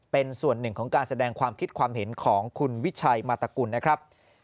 เป็นส่วนหนึ่งของการแสดงความคิดความเห็นของคุณวิชัยมาตกุลนะครับ